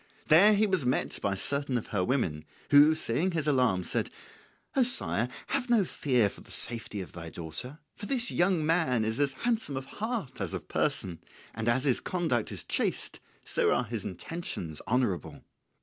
There he was met by certain of her women, who, seeing his alarm, said, "O sire, have no fear for the safety of thy daughter; for this young man is as handsome of heart as of person, and as his conduct is chaste, so also are his intentions honourable."